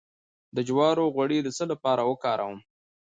د جوارو غوړي د څه لپاره وکاروم؟